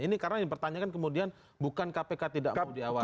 ini karena pertanyaan kemudian bukan kpk tidak mau diawasin